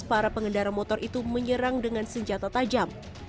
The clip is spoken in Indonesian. para pengendara motor itu menyerang dengan senjata tajam